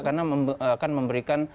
karena akan memberikan